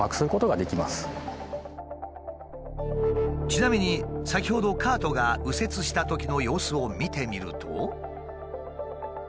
ちなみに先ほどカートが右折したときの様子を見てみると。